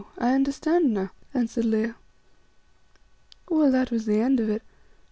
I understand now," answered Leo. Well, that was the end of it.